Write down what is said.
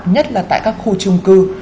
nhất là tại các khu chung cư